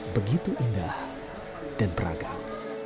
begitu indah dan beragam